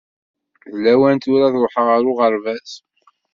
D lawan tura ad ṛuḥeɣ ar uɣerbaz.